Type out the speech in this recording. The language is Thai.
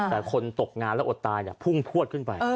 แต่คนตกงานแล้วอดตายพุ่งพวดขึ้นไป